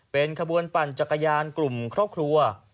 เป็นขบวนปั่นจักรยานกลุ่มครอบครัว